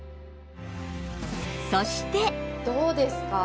そしてどうですか？